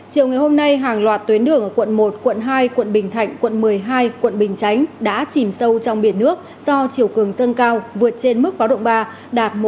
chiều ngày hôm nay hàng loạt tuyến đường ở quận một quận hai quận bình thạnh quận một mươi hai quận bình chánh đã chìm sâu trong biển nước do chiều cường dâng cao vượt trên mức báo động ba đạt một trăm linh